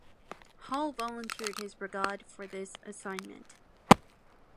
Hall volunteered his brigade for this assignment.